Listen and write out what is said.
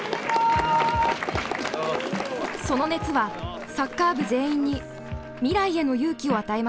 その熱はサッカー部全員に未来への勇気を与えました。